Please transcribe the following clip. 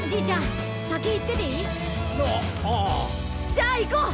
じゃあいこう！